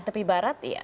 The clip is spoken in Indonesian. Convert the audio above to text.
tepi barat iya